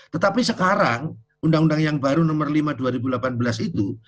tetapi sekarang undang undang yang baru nomor lima dua ribu delapan belas itu